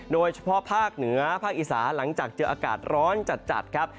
โดยเฉพาะภาคเหนือภาคอีสานหลังจากเจออากาศร้อนจัดครับ